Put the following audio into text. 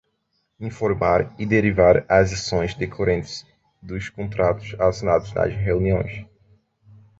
Informar e derivar as ações decorrentes dos contratos assinados nas reuniões.